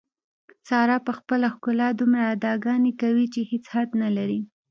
ساره په خپله ښکلا دومره اداګانې کوي، چې هېڅ حد نه لري.